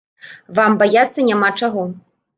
Вам баяцца няма чаго.